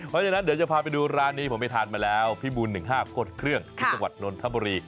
เพราะฉะนั้นเดี๋ยวจะพาไปดูร้านนี้ผมไปทานมาแล้วพี่บูล๑๕โคตรเครื่องที่จังหวัดนนทบุรี